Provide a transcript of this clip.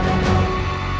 masuk ke dalam istana